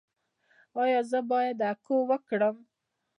ایا زه باید اکو وکړم؟